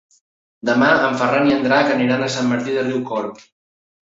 Demà en Ferran i en Drac aniran a Sant Martí de Riucorb.